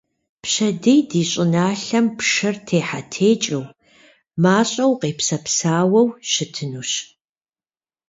Пщэдей ди щӏыналъэм пшэр техьэтекӏыу, мащӏэу къепсэпсауэу щытынущ.